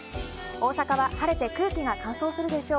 大阪は晴れて空気が乾燥するでしょう。